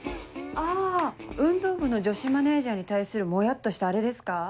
あ運動部の女子マネジャーに対するモヤっとしたアレですか？